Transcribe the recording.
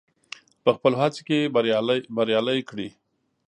په خپلو هڅو کې بريالی کړي.